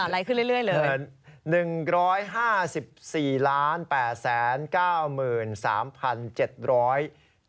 ไล่ขึ้นเรื่อยเลย